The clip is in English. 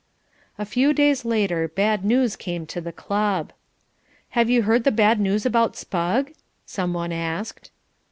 A few days later bad news came to the club. "Have you heard the bad news about Spugg?" someone asked.